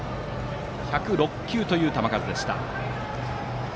１０６球という球数でした。